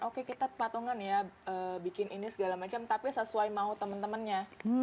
oke kita patungan ya bikin ini segala macam tapi sesuai mau teman temannya